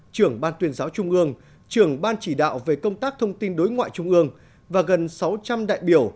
trưởng ban tuyên giáo trung ương trưởng ban chỉ đạo về công tác thông tin đối ngoại trung ương và gần sáu trăm linh đại biểu